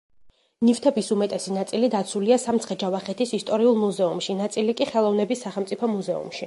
ნივთების უმეტესი ნაწილი დაცულია სამცხე-ჯავახეთის ისტორიულ მუზეუმში, ნაწილი კი ხელოვნების სახელმწიფო მუზეუმში.